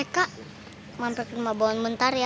eh kak mampir kemabuan bentar ya